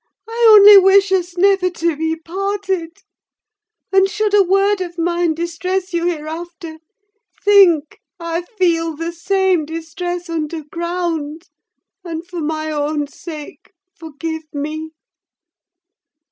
I only wish us never to be parted: and should a word of mine distress you hereafter, think I feel the same distress underground, and for my own sake, forgive me!